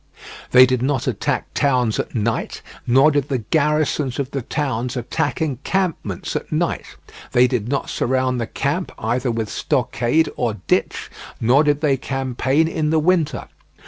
They did not attack towns at night, nor did the garrisons of the towns attack encampments at night; they did not surround the camp either with stockade or ditch, nor did they campaign in the winter.